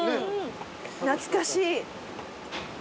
懐かしい。